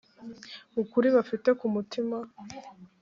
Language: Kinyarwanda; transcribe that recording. ukuri bafite ku mutima